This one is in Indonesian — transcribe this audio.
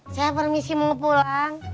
saya permisi mau pulang